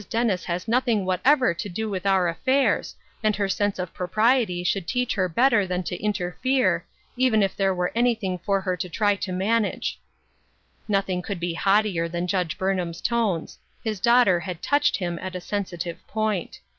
Dennis has nothing whatever to do with our affairs, and her sense of propriety should teach her better than to interfere, even if there were anything for her to try to 54 " FOREWARNED " AND " FOREARMED." manage." Nothing could be haughtier than Judge Burnham's tones ; his daughter had touched him at a sensitive point.